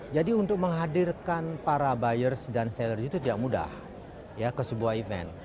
jadi untuk menghadirkan para buyers dan sellers itu tidak mudah ya ke sebuah event